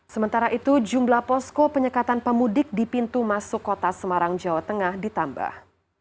sementara itu jumlah posko penyekatan pemudik di pintu masuk kota semarang jawa tengah ditambah